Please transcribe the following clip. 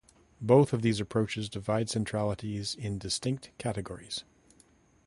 Both of these approaches divide centralities in distinct categories.